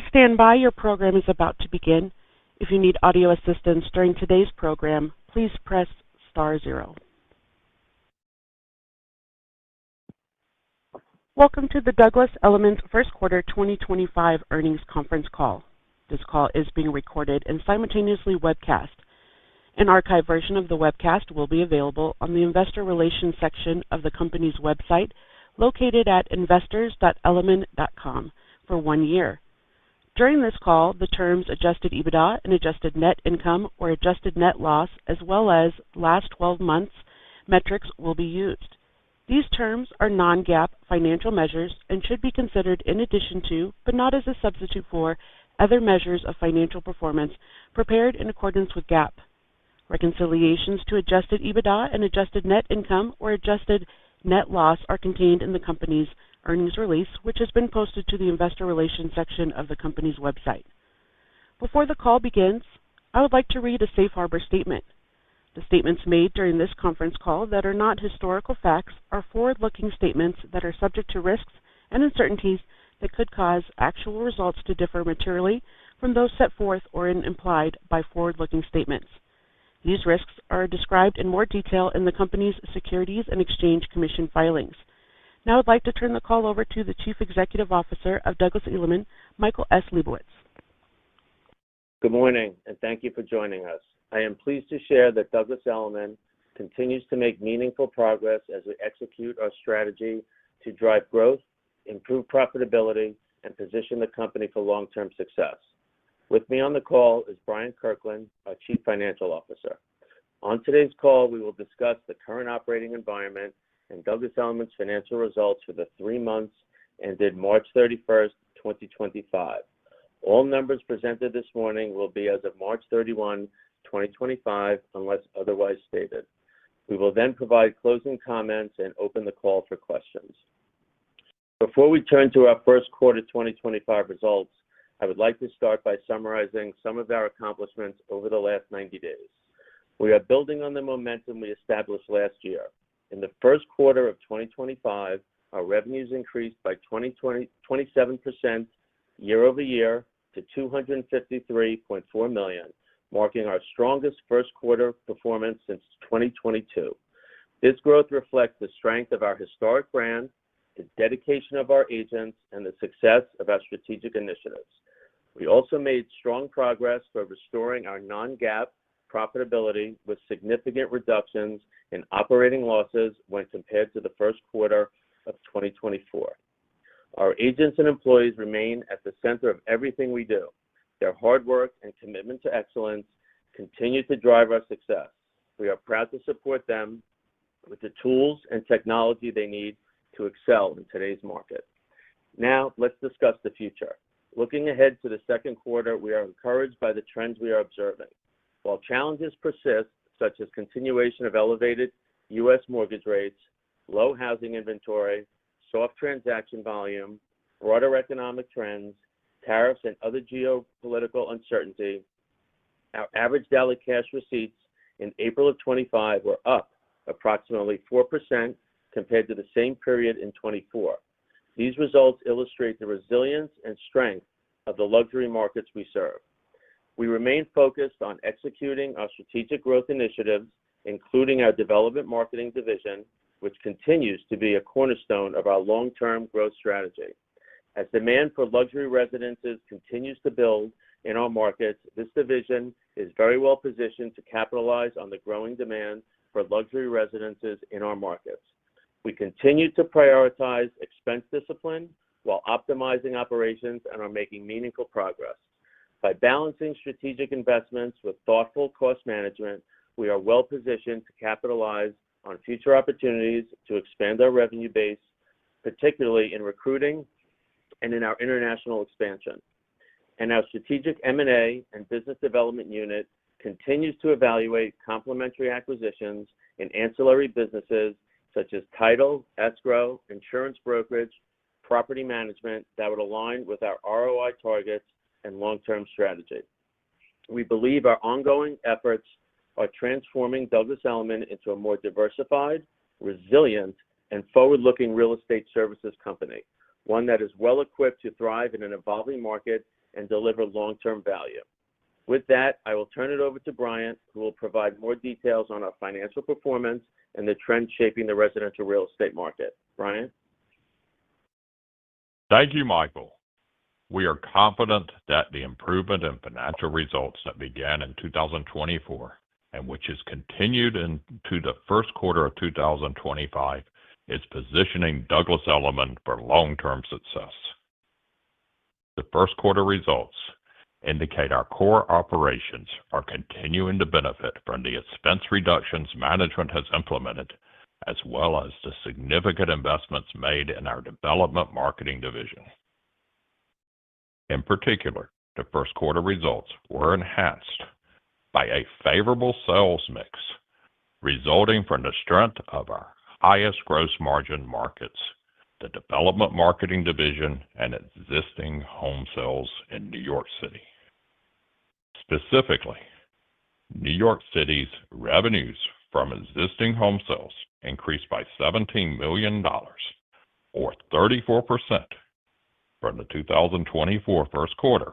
Please stand by. Your program is about to begin. If you need audio assistance during today's program, please press star zero. Welcome to the Douglas Elliman First Quarter 2025 Earnings Conference Call. This call is being recorded and simultaneously webcast. An archived version of the webcast will be available on the investor relations section of the company's website located at investors.elliman.com for one year. During this call, the terms adjusted EBITDA and adjusted net income or adjusted net loss, as well as last 12 months' metrics, will be used. These terms are non-GAAP financial measures and should be considered in addition to, but not as a substitute for, other measures of financial performance prepared in accordance with GAAP. Reconciliations to adjusted EBITDA and adjusted net income or adjusted net loss are contained in the company's earnings release, which has been posted to the investor relations section of the company's website. Before the call begins, I would like to read a Safe Harbor statement. The statements made during this conference call that are not historical facts are forward-looking statements that are subject to risks and uncertainties that could cause actual results to differ materially from those set forth or implied by forward-looking statements. These risks are described in more detail in the company's Securities and Exchange Commission filings. Now I'd like to turn the call over to the Chief Executive Officer of Douglas Elliman, Michael S. Liebowitz. Good morning and thank you for joining us. I am pleased to share that Douglas Elliman continues to make meaningful progress as we execute our strategy to drive growth, improve profitability, and position the company for long-term success. With me on the call is Bryant Kirkland, our Chief Financial Officer. On today's call, we will discuss the current operating environment and Douglas Elliman's financial results for the three months ended March 31st, 2025. All numbers presented this morning will be as of March 31, 2025, unless otherwise stated. We will then provide closing comments and open the call for questions. Before we turn to our first quarter 2025 results, I would like to start by summarizing some of our accomplishments over the last 90 days. We are building on the momentum we established last year. In the first quarter of 2025, our revenues increased by 27% year-over-year to $253.4 million, marking our strongest first quarter performance since 2022. This growth reflects the strength of our historic brand, the dedication of our agents, and the success of our strategic initiatives. We also made strong progress for restoring our non-GAAP profitability with significant reductions in operating losses when compared to the first quarter of 2024. Our agents and employees remain at the center of everything we do. Their hard work and commitment to excellence continue to drive our success. We are proud to support them with the tools and technology they need to excel in today's market. Now let's discuss the future. Looking ahead to the second quarter, we are encouraged by the trends we are observing. While challenges persist, such as continuation of elevated U.S. Mortgage rates, low housing inventory, soft transaction volume, broader economic trends, tariffs, and other geopolitical uncertainty, our average daily cash receipts in April of 2025 were up approximately 4% compared to the same period in 2024. These results illustrate the resilience and strength of the luxury markets we serve. We remain focused on executing our strategic growth initiatives, including our development marketing division, which continues to be a cornerstone of our long-term growth strategy. As demand for luxury residences continues to build in our markets, this division is very well positioned to capitalize on the growing demand for luxury residences in our markets. We continue to prioritize expense discipline while optimizing operations and are making meaningful progress. By balancing strategic investments with thoughtful cost management, we are well positioned to capitalize on future opportunities to expand our revenue base, particularly in recruiting and in our international expansion. Our strategic M&A and business development unit continues to evaluate complementary acquisitions in ancillary businesses such as title, escrow, insurance brokerage, and property management that would align with our ROI targets and long-term strategy. We believe our ongoing efforts are transforming Douglas Elliman into a more diversified, resilient, and forward-looking real estate services company, one that is well equipped to thrive in an evolving market and deliver long-term value. With that, I will turn it over to Bryant, who will provide more details on our financial performance and the trends shaping the residential real estate market. Bryant? Thank you, Michael. We are confident that the improvement in financial results that began in 2024 and which has continued into the first quarter of 2025 is positioning Douglas Elliman for long-term success. The first quarter results indicate our core operations are continuing to benefit from the expense reductions management has implemented, as well as the significant investments made in our development marketing division. In particular, the first quarter results were enhanced by a favorable sales mix, resulting from the strength of our highest gross margin markets, the development marketing division, and existing home sales in New York City. Specifically, New York City's revenues from existing home sales increased by $17 million, or 34%, from the 2024 first quarter,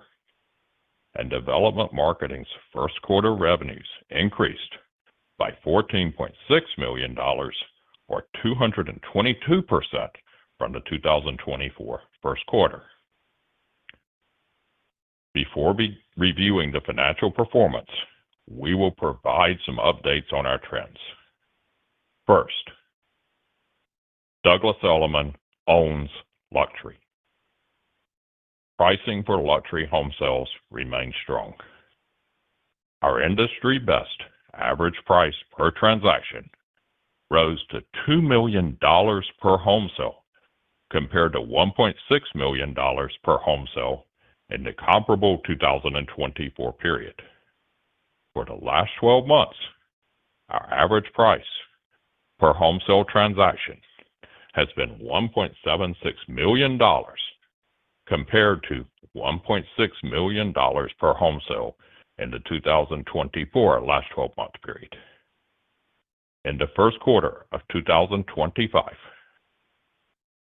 and development marketing's first quarter revenues increased by $14.6 million, or 222%, from the 2024 first quarter. Before reviewing the financial performance, we will provide some updates on our trends. First, Douglas Elliman owns luxury. Pricing for luxury home sales remains strong. Our industry-best average price per transaction rose to $2 million per home sale compared to $1.6 million per home sale in the comparable 2024 period. For the last 12 months, our average price per home sale transaction has been $1.76 million compared to $1.6 million per home sale in the 2024 last 12-month period. In the first quarter of 2025,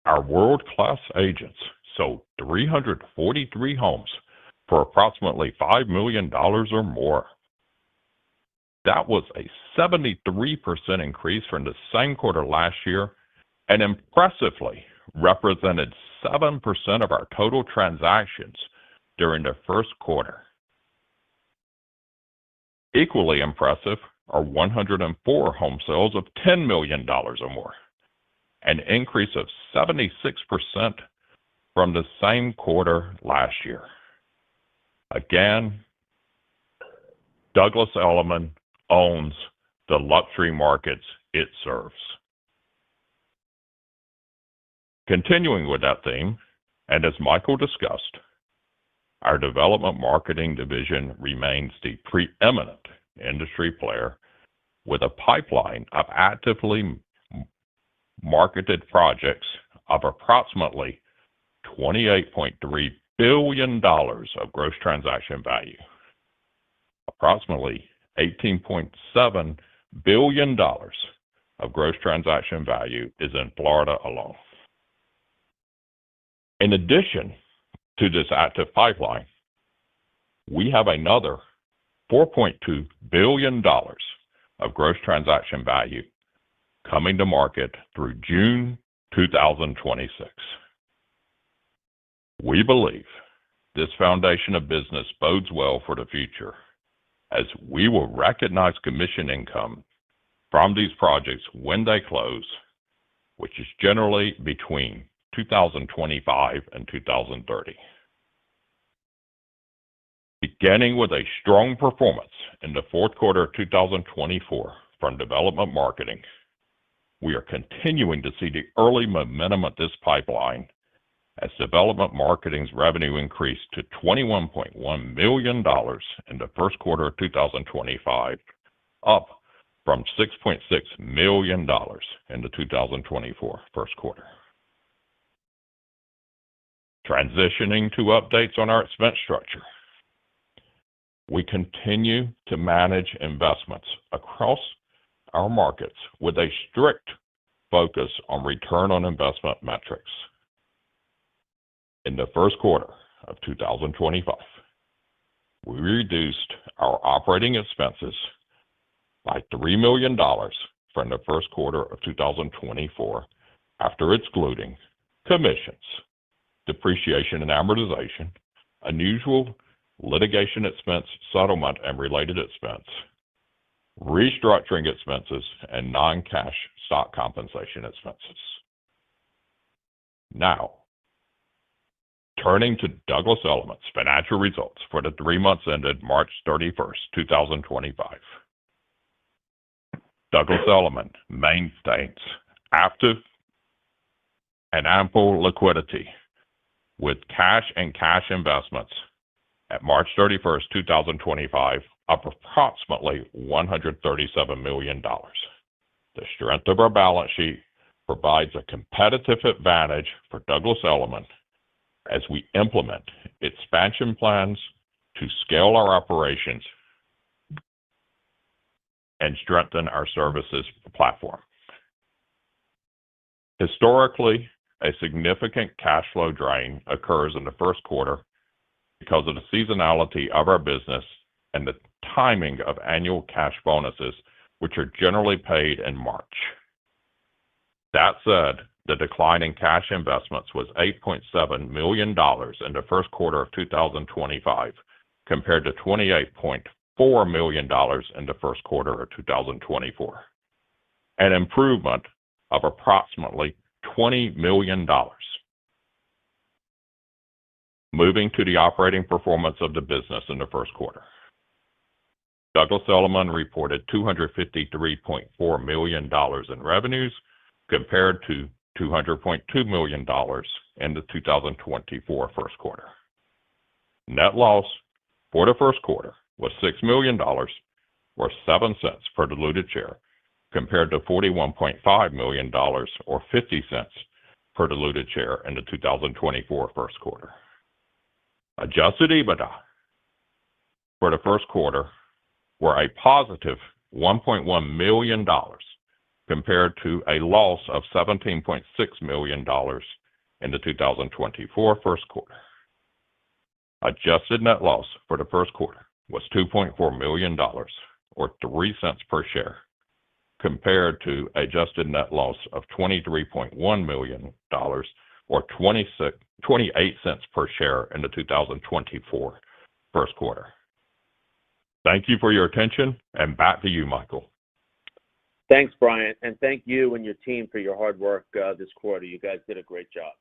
our world-class agents sold 343 homes for approximately $5 million or more. That was a 73% increase from the same quarter last year and impressively represented 7% of our total transactions during the first quarter. Equally impressive are 104 home sales of $10 million or more, an increase of 76% from the same quarter last year. Again, Douglas Elliman owns the luxury markets it serves. Continuing with that theme, and as Michael discussed, our development marketing division remains the preeminent industry player with a pipeline of actively marketed projects of approximately $28.3 billion of gross transaction value. Approximately $18.7 billion of gross transaction value is in Florida alone. In addition to this active pipeline, we have another $4.2 billion of gross transaction value coming to market through June 2026. We believe this foundation of business bodes well for the future, as we will recognize commission income from these projects when they close, which is generally between 2025 and 2030. Beginning with a strong performance in the fourth quarter of 2024 from development marketing, we are continuing to see the early momentum of this pipeline as development marketing's revenue increased to $21.1 million in the first quarter of 2025, up from $6.6 million in the 2024 first quarter. Transitioning to updates on our expense structure, we continue to manage investments across our markets with a strict focus on return on investment metrics. In the first quarter of 2025, we reduced our operating expenses by $3 million from the first quarter of 2024 after excluding commissions, depreciation and amortization, unusual litigation expense settlement and related expense, restructuring expenses, and non-cash stock compensation expenses. Now, turning to Douglas Elliman's financial results for the three months ended March 31st, 2025. Douglas Elliman maintains active and ample liquidity, with cash and cash investments at March 31st, 2025, of approximately $137 million. The strength of our balance sheet provides a competitive advantage for Douglas Elliman as we implement expansion plans to scale our operations and strengthen our services platform. Historically, a significant cash flow drain occurs in the first quarter because of the seasonality of our business and the timing of annual cash bonuses, which are generally paid in March. That said, the decline in cash investments was $8.7 million in the first quarter of 2025 compared to $28.4 million in the first quarter of 2024, an improvement of approximately $20 million. Moving to the operating performance of the business in the first quarter, Douglas Elliman reported $253.4 million in revenues compared to $200.2 million in the 2024 first quarter. Net loss for the first quarter was $6 million or $0.07 per diluted share compared to $41.5 million or $0.50 per diluted share in the 2024 first quarter. Adjusted EBITDA for the first quarter was a positive $1.1 million compared to a loss of $17.6 million in the 2024 first quarter. Adjusted net loss for the first quarter was $2.4 million or $0.03 per share compared to adjusted net loss of $23.1 million or $0.28 per share in the 2024 first quarter. Thank you for your attention, and back to you, Michael. Thanks, Bryant, and thank you and your team for your hard work this quarter. You guys did a great job.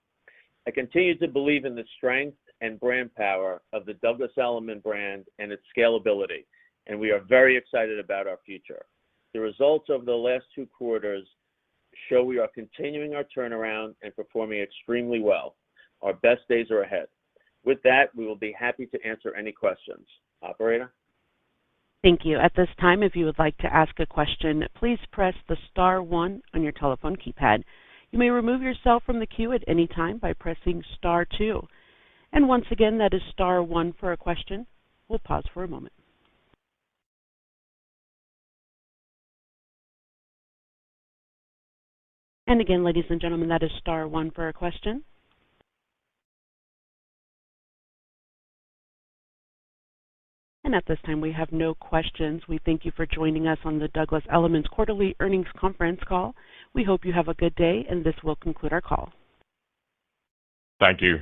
I continue to believe in the strength and brand power of the Douglas Elliman brand and its scalability, and we are very excited about our future. The results of the last two quarters show we are continuing our turnaround and performing extremely well. Our best days are ahead. With that, we will be happy to answer any questions. Operator? Thank you. At this time, if you would like to ask a question, please press the star one on your telephone keypad. You may remove yourself from the queue at any time by pressing star two. Once again, that is star one for a question. We'll pause for a moment. Again, ladies and gentlemen, that is star one for a question. At this time, we have no questions. We thank you for joining us on the Douglas Elliman quarterly earnings conference call. We hope you have a good day, and this will conclude our call. Thank you.